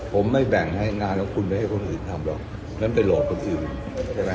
ผมไม่แบ่งให้งานของคุณไม่ให้คนอื่นทำหรอกงั้นไปหลอกคนอื่นใช่ไหม